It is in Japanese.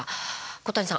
小谷さん